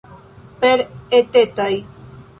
Per etetaj.